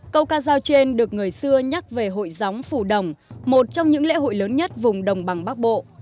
câu ca giao trên được người xưa nhắc về hội gióng phủ đồng một trong những lễ hội lớn nhất vùng đồng bằng bắc bộ